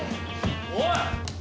おい。